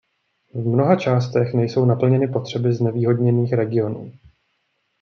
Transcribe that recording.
V mnoha částech nejsou naplněny potřeby znevýhodněných regionů.